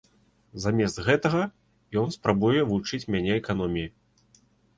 Замест гэтага ён спрабуе вучыць мяне эканоміі.